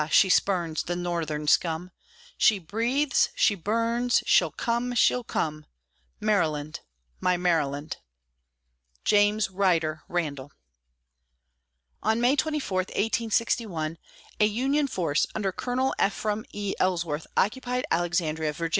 she spurns the Northern scum! She breathes! She burns! She'll come! She'll come! Maryland, my Maryland! JAMES RYDER RANDALL. On May 24, 1861, a Union force under Colonel Ephraim E. Ellsworth occupied Alexandria, Va.